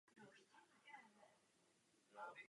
Je absolventem Vysoké školy dramatických umění v Berlíně.